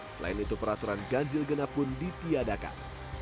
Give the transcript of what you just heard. selain itu peraturan ganjil genap pun ditiadakan